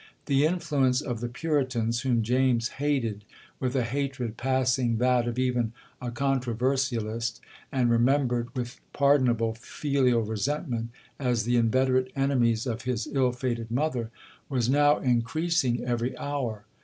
The influence of the Puritans (whom James hated with a hatred passing that of even a controversialist, and remembered with pardonable filial resentment, as the inveterate enemies of his ill fated mother) was now increasing every hour.